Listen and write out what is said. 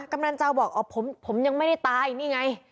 กำลังเจ้าบอกอ๋อผมยังไม่ได้ตายนี่ไง